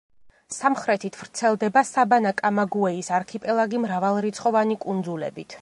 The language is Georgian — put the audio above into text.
სამხრეთით ვრცელდება საბანა-კამაგუეის არქიპელაგი მრავალრიცხოვანი კუნძულებით.